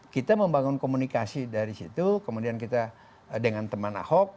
kita membangun komunikasi dari situ kemudian kita dengan teman ahok